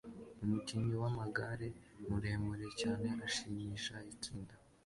Umukinyi wamagare muremure cyane ashimisha itsinda